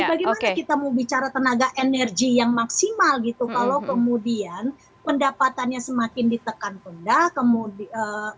bagaimana kita mau bicara tenaga energi yang maksimal gitu kalau kemudian pendapatannya semakin ditekan rendah kemudian